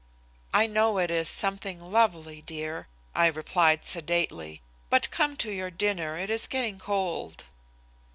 "I know it is something lovely, dear," I replied sedately, "but come to your dinner. It is getting cold."